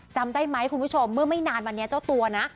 จำได้ไหมคุณผู้ชมเมื่อไม่นานวันนี้เจ้าตัวนะ